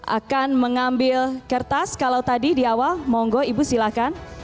akan mengambil kertas kalau tadi di awal monggo ibu silahkan